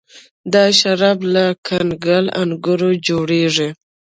دا شراب له کنګل انګورو جوړیږي.